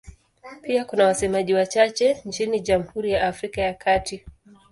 Pia kuna wasemaji wachache nchini Jamhuri ya Afrika ya Kati.